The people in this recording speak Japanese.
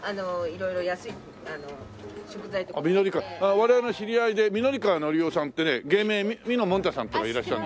我々の知り合いで御法川法男さんってね芸名みのもんたさんって方いらっしゃる。